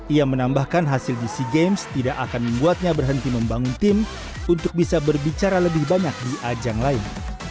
ia menambahkan hasil di sea games tidak akan membuatnya berhenti membangun tim untuk bisa berbicara lebih banyak di ajang lain